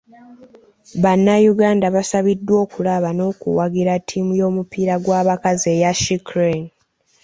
Bannayuganda basabiddwa okulaba n'okuwagira ttiimu y'omupiira gw'abakazi eya She Crane .